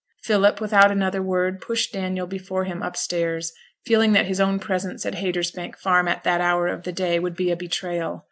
Philip, without another word, pushed Daniel before him upstairs, feeling that his own presence at Haytersbank Farm at that hour of the day would be a betrayal.